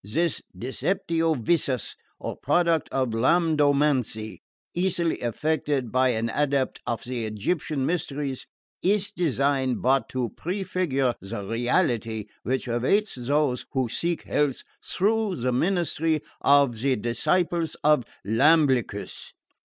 This deceptio visus, or product of rhabdomancy, easily effected by an adept of the Egyptian mysteries, is designed but to prefigure the reality which awaits those who seek health through the ministry of the disciples of Iamblichus.